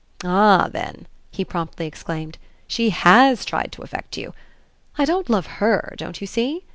"Ah then," he promptly exclaimed, "she HAS tried to affect you! I don't love HER, don't you see?